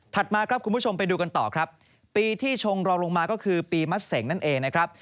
มาครับคุณผู้ชมไปดูกันต่อครับปีที่ชงรองลงมาก็คือปีมะเสงนั่นเองนะครับ